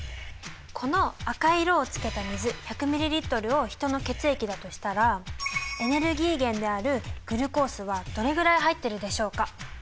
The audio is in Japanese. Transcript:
この赤い色をつけた水１００ｍＬをヒトの血液だとしたらエネルギー源であるグルコースはどれぐらい入ってるでしょうか？